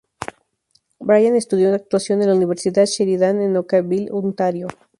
Bryant estudió actuación en la Universidad Sheridan en Oakville, Ontario.